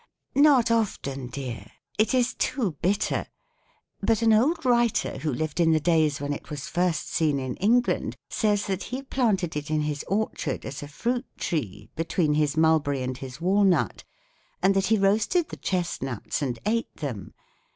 "Not often, dear it is too bitter; but an old writer who lived in the days when it was first seen in England says that he planted it in his orchard as a fruit tree, between his mulberry and his walnut, and that he roasted the chestnuts and ate them.